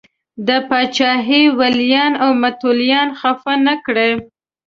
د پاچاهۍ ولیان او متولیان خفه نه کړي.